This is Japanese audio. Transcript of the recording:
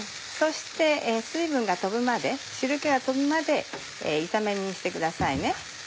そして水分が飛ぶまで汁気が飛ぶまで炒め煮にしてくださいね。